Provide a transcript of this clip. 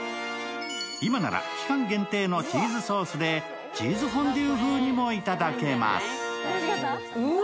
今なら期間限定のチーズソースでチーズフォンデュ風にもいただけます。